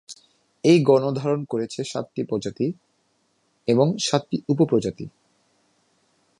এই গণ ধারণ করেছে সাতটি প্রজাতি, এবং সাতটি উপপ্রজাতি।